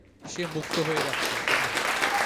সে মুক্ত হয়ে যাচ্ছে!